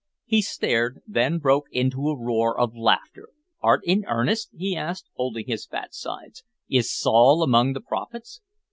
He stared, then broke into a roar of laughter. "Art in earnest?" he asked, holding his fat sides. "Is Saul among the prophets?"